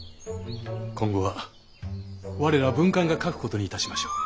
今後は我ら文官が書くことにいたしましょう。